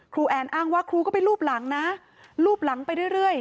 แอนอ้างว่าครูก็ไปรูปหลังนะรูปหลังไปเรื่อย